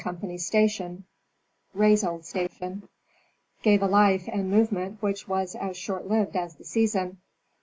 Company's station (Ray's old station), gave a life and movement which was as shortlived as the season.